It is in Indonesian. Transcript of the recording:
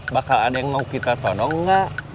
bakal ada yang mau kita todong gak